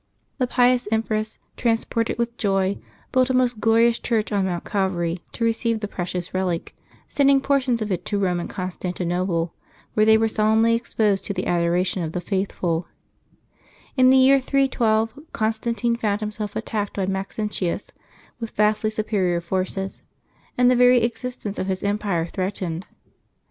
The pious empress, transported with joy, built a most glorious church on Mount Calvary to receive the precious relic, sending portions of it to Eome and Constantinople, where they were solemnly exposed to the adoration of the faithfuL In the year 313 Constantine found himself attacked by Maxentius with vastly superior forces, and the very exist ence of his empire threatened.